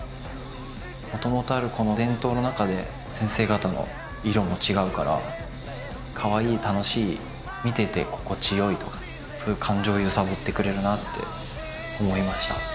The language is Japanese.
もともとあるこの伝統の中で先生方の色も違うからカワイイ楽しい見てて心地よいとかそういう感情を揺さぶってくれるなと思いました。